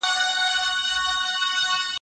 په ډېر هنر او ریښتینولۍ په ډاګه کړي